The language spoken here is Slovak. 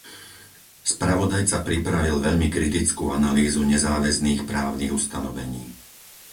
Spravodajca pripravil veľmi kritickú analýzu nezáväzných právnych ustanovení.